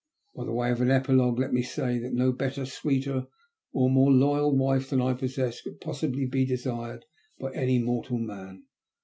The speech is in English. By way of an epilogue let me say that no better, sweeter, or more loyal wife than I possess could possibly be desired by any mortal man.